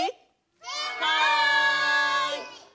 はい！